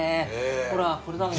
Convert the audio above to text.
ほらこれだもん。